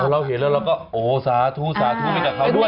แล้วเราเห็นแล้วก็โอ้สาธุไปกับเขาด้วย